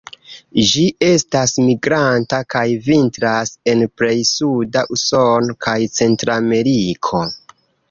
Ĝi estas migranta, kaj vintras en plej suda Usono kaj Centrameriko.